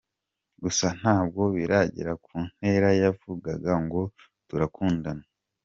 Gusa ntabwo biragera kuntera yokuvuga ngo turakundana.